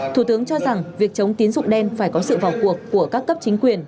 thủ tướng cho rằng việc chống tín dụng đen phải có sự vào cuộc của các cấp chính quyền